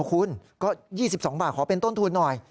คุณสมัครก็๒๒บาทขอเป็นต้นทูลหน่อย